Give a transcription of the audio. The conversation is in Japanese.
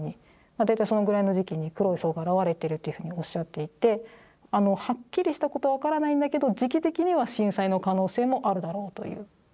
大体そのぐらいの時期に黒い層が現れてるというふうにおっしゃっていてはっきりしたこと分からないんだけど時期的には震災の可能性もあるだろうという。